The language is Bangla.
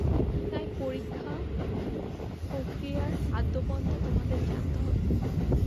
তাই পরীক্ষা প্রক্রিয়ার আদ্যোপান্ত তোমাদের জানতে হবে।